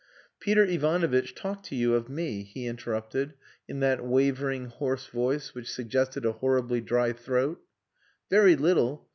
"Peter Ivanovitch talked to you of me," he interrupted, in that wavering, hoarse voice which suggested a horribly dry throat. "Very little.